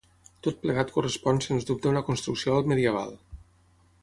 Tot plegat correspon sens dubte a una construcció altmedieval.